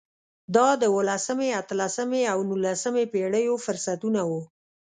دا د اولسمې، اتلسمې او نولسمې پېړیو فرصتونه وو.